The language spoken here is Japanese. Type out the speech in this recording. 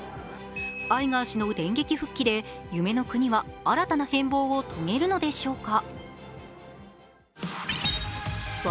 アイガー氏の電撃復帰で夢の国は新たな変貌を遂げるのでしょうか。